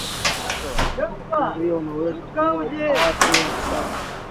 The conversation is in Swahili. ugonjwa wa malaria unaoweza kuua awatu wengi sana